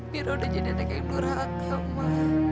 mira udah jadi anak yang nurhak ya ma